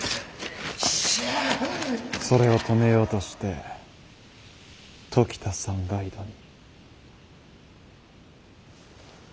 それを止めようとして時田さんが井戸に。